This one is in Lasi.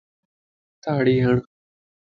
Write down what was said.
تاڙي ھڙ